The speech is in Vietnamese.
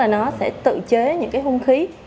nó sẽ tự chế những cái hung khí